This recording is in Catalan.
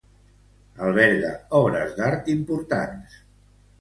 Alberga obres d'art importants.